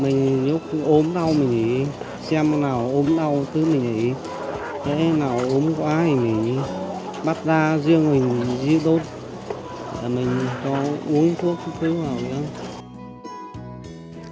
mình nếu không ốm đau mình thì xem nào ốm đau thế nào ốm quá thì mình bắt ra riêng mình đi đốt mình có uống thuốc thuốc nào nữa